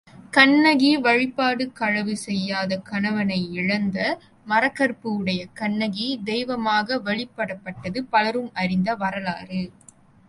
கண்ணகி வழிபாடு களவு செய்யாத கணவனை இழந்த மறக்கற்பு உடைய கண்ணகி தெய்வமாக வழிபடப்பட்டது பலரும் அறிந்த வரலாறு.